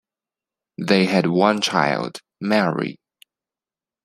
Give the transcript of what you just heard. They had one child, Mary.